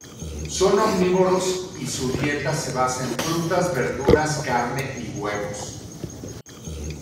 Son omnívoros yu dieta se basa en frutas, verduras, carne y huevos.